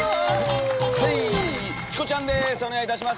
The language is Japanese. はいチコちゃんです。